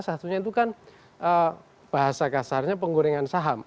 satunya itu kan bahasa kasarnya penggorengan saham